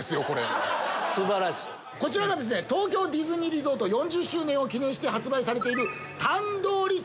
こちらが東京ディズニーリゾート４０周年を記念して発売されている。